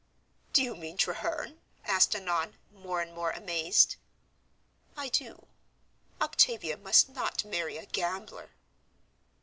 "Do you mean Treherne?" asked Annon, more and more amazed. "I do. Octavia must not marry a gambler!"